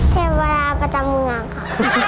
เทวดาประจำเมืองค่ะ